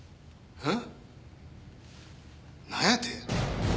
えっ？